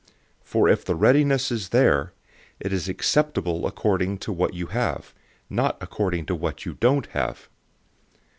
008:012 For if the readiness is there, it is acceptable according to what you have, not according to what you don't have.